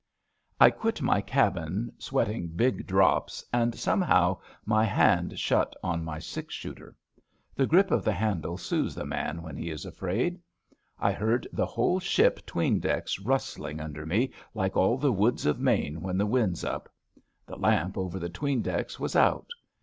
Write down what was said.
I quit my cabin sweating big drops, and some how my hand shut on my six shooter. The grip of the handle soothes a man when he is afraid. I heard the whole ship 'tween decks rustling under me like all the woods of Maine when the wind^s up. The lamp over the ^tween decks was out.